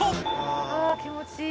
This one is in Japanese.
あぁ気持ちいい。